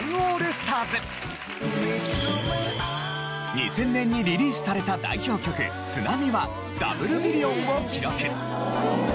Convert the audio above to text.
２０００年にリリースされた代表曲『ＴＳＵＮＡＭＩ』はダブルミリオンを記録。